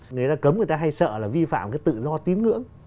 người ta cấm người ta hay sợ là vi phạm cái tự do tín ngưỡng